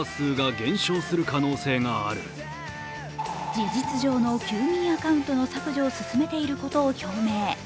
事実上の休眠アカウントの削除を進めていることを表明。